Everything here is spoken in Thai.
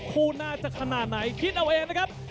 คู่หน้าจะขนาดไหนคิดเอาเองนะครับ